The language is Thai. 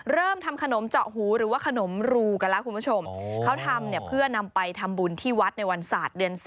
เริ่มทำขนมเจาะหูหรือว่าขนมรูกันแล้วคุณผู้ชมเขาทำเนี่ยเพื่อนำไปทำบุญที่วัดในวันศาสตร์เดือน๔